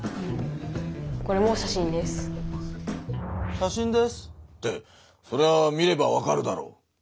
「写真です」ってそれは見ればわかるだろう。